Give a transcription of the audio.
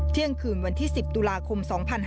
เที่ยงคืนวันที่๑๐ตุลาคม๒๕๕๙